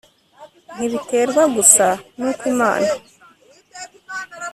ntibiterwa gusa n'uko imana